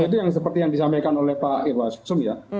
enam itu yang seperti yang disampaikan oleh pak irwa sum ya